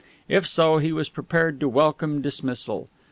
If so, he was prepared to welcome dismissal.